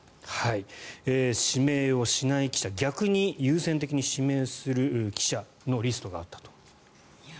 指名をしない記者逆に優先的に指名する記者のリストがあったと。